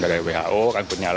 ini sudah sesuai dengan standar who